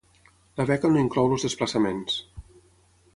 La beca no inclou els desplaçaments.